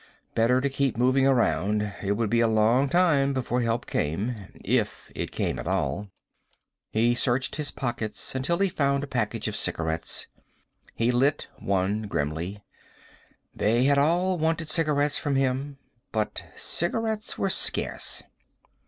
Better to keep moving around. It would be a long time before help came if it came at all. He searched his pockets until he found a package of cigarettes. He lit one grimly. They had all wanted cigarettes from him. But cigarettes were scarce.